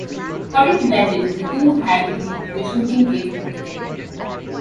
According to legend the two had agreed to a shooting game between them.